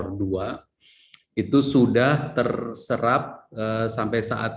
nomor dua itu sudah terserap sampai saat